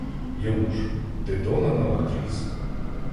Йому ж: Дидона наодріз